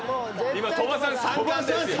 今鳥羽さん３冠ですよ。